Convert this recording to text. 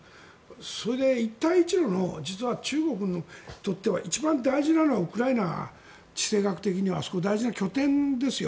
それで一帯一路の実は中国にとっては一番大事なのはウクライナ、地政学的にはあそこは大事な拠点ですよ。